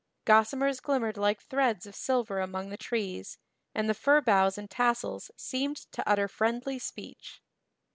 Gossamers glimmered like threads of silver among the trees and the fir boughs and tassels seemed to utter friendly speech.